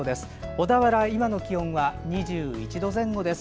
小田原、今の気温は２１度前後です。